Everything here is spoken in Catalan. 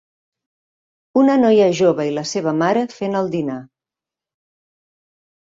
Una noia jove i la seva mare fent el dinar.